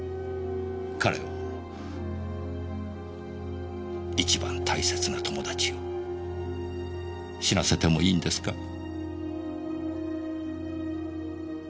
彼を一番大切な友達を死なせてもいいんですか？